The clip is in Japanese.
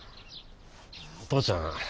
お父ちゃん